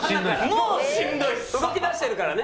動き出してるからね。